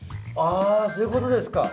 あそういうことですか。